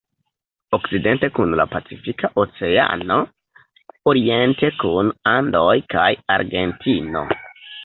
Okcidente kun la Pacifika Oceano, oriente kun Andoj kaj Argentino.